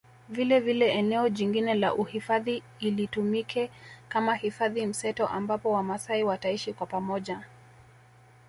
Vilevile eneo jingine la uhifadhi llitumike kama Hifadhi mseto ambapo wamaasai wataishi kwa pamoja